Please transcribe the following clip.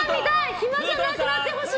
暇じゃなくなってほしい！